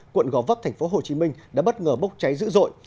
quận gò vấp tp hcm đã bất ngờ bốc cháy dữ dội